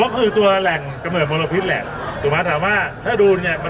อากาศจะเริ่มโปรกแล้วมีการโปรที่ดีขึ้น